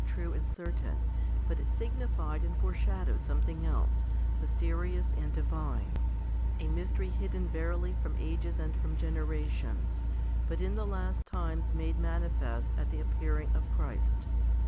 2 FIFTY SPIRITUAL HOMILIES and certain, but it signified and foreshadowed something else, mysterious and divine a mystery hidden verily from ages and from generations* but in the last times made mani fest 2 Sit the appearing of Christ.